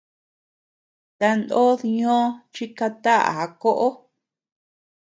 Tanod ñó chi kataʼa koʼo.